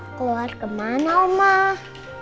keluar kemana omah